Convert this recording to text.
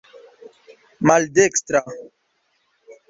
maldekstra